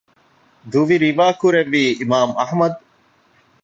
ދުވި ރިވާކުރެއްވީ އިމާމު އަޙްމަދު